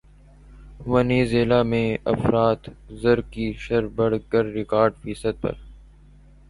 Venezuela میں افراط زر کی شرح بڑھ کر ریکارڈ فیصد پر